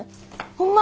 ホンマ！？